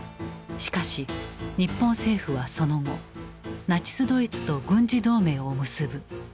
しかし日本政府はその後ナチス・ドイツと軍事同盟を結ぶ。